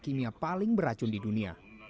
kimia paling beracun di dunia